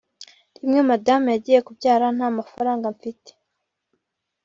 Rimwe madamu yagiye kubyara nta mafaranga mfite